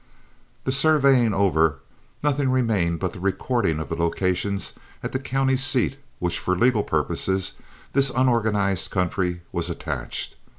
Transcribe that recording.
The surveying over, nothing remained but the recording of the locations at the county seat to which for legal purposes this unorganized country was attached.